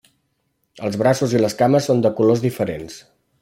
Els braços i les cames són de colors diferents.